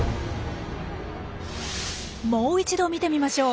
もう一度見てみましょう。